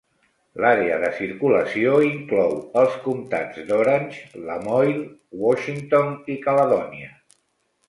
L'àrea de circulació inclou els comtats d'Orange, Lamoille, Washington i Caledonia.